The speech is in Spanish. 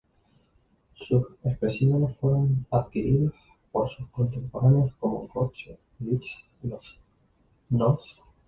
Sus especímenes fueron adquiridos por sus contemporáneos como Goethe, Liszt, los Hnos.